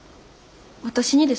私にですか？